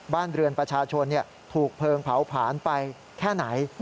บ้านเรือนประชาชนถูกเพลิงเผาผลาญไปแค่ไหน